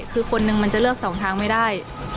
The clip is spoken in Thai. คือคนนึงมันจะเลือกสองทางไม่ได้